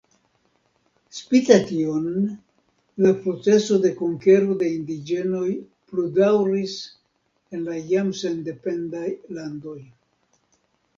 Spite tion la proceso de konkero de indiĝenoj pludaŭris en la jam sendependaj landoj.